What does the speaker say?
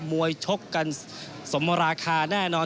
วกกันสมราคาแน่นอน